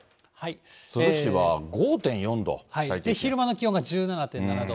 珠洲市は５．４度、昼間の気温が１７．７度。